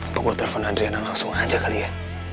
atau gue telepon adriana langsung aja kali ya